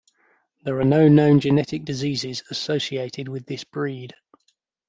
There are no known genetic diseases associated with this breed.